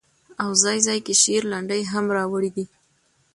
او ځاى ځاى کې شعر، لنډۍ هم را وړي دي